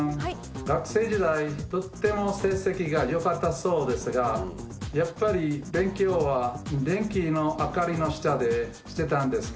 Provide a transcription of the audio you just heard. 学生時代、とっても成績がよかったそうですが、やっぱり勉強は電気の明かりの下でしてたんですか？